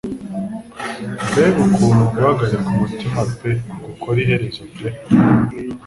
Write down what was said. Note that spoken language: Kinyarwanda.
Mbega ukuntu guhagarika umutima pe gukora iherezo pe